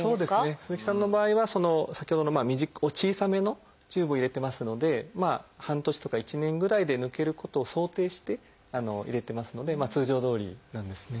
鈴木さんの場合は先ほどの小さめのチューブを入れてますので半年とか１年ぐらいで抜けることを想定して入れてますので通常どおりなんですね。